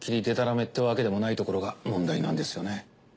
デタラメってわけでもないところが問題なんですよね。